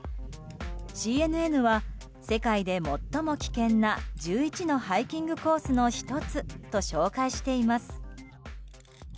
ＣＮＮは世界で最も危険な１１のハイキングコースの１つと紹介しています。